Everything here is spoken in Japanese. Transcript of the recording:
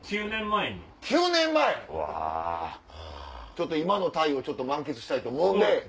ちょっと今のタイをちょっと満喫したいと思うんで。